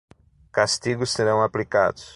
Castigos serão aplicados